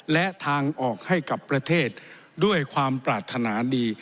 และทางออกให้กับประเทศด้วยความปรารถนาดี